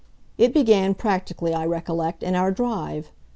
It began, practically, I recollect, in our drive.